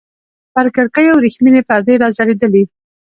پر کړکيو ورېښمينې پردې راځړېدلې.